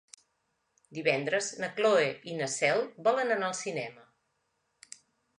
Divendres na Cloè i na Cel volen anar al cinema.